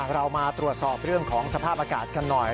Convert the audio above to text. เรามาตรวจสอบเรื่องของสภาพอากาศกันหน่อย